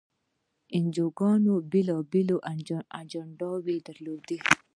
انجیوګانې بېلابېلې اجنډاوې یې درلودې.